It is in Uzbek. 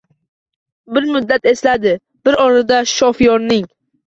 Bir muddat esladi. Bu orada shofyorning: